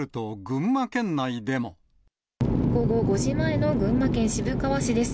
午後５時前の群馬県渋川市です。